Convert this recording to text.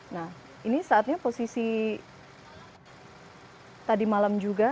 nah ini saatnya posisi tadi malam juga